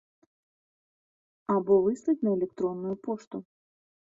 Або выслаць на электронную пошту.